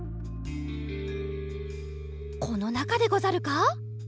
このなかでござるか？